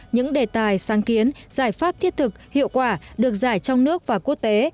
những đề tài sáng kiến giải pháp thiết thực hiệu quả được giải trong nước và quốc tế